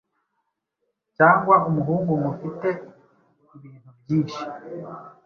cyangwa umuhungu mufite ibintu byinshi